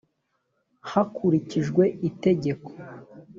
hakurikijwe itegeko.